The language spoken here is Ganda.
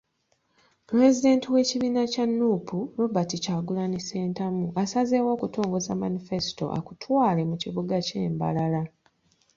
Pulezidenti w'ekibiina kya Nuupu, Robert Kyagulanyi Ssentamu, asazeewo okutongoza Manifesto akutwale mu kibuga ky'e Mbarara.